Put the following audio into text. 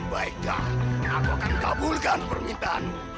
baiklah aku akan kabulkan permintaanmu